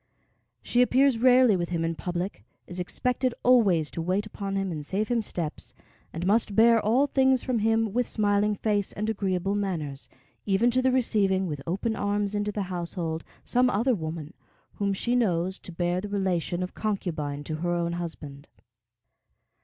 She appears rarely with him in public, is expected always to wait upon him and save him steps, and must bear all things from him with smiling face and agreeable manners, even to the receiving with open arms into the household some other woman, whom she knows to bear the relation of concubine to her own husband.